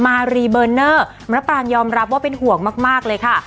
มารีเบอร์เนอร์มะปรางยอมรับว่าเป็นห่วงมากเลยค่ะ